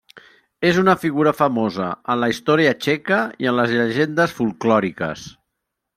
És una figura famosa en la història txeca i en les llegendes folklòriques.